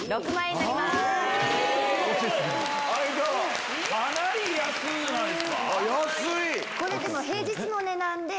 かなり安くないですか